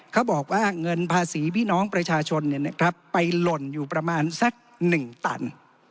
เขาบอกว่าเงินภาษีพี่น้องประชาชนเนี้ยนะครับไปหล่นอยู่ประมาณสักหนึ่งตัน